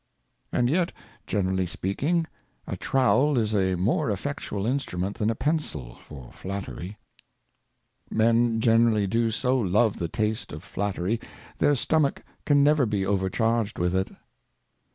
And yet, generally speaking, a Trowel is a more effectual Instrument than a Pencil for Flattery. Men generally do so love the Taste of Flatteiy, their Stomach can never be overcharged with it.